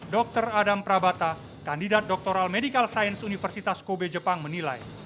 dr adam prabata kandidat doktoral medical science universitas kobe jepang menilai